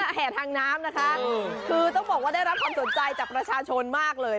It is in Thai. แห่ทางน้ำนะคะคือต้องบอกว่าได้รับความสนใจจากประชาชนมากเลย